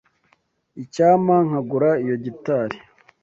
Icyampa nkagura iyo gitari.